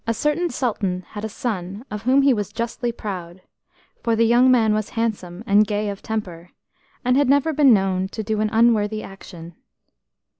CERTAIN Sultan had a son of whom he was justly proud, for the young man was handsome and gay of temper, and had never been known to do an unworthy action.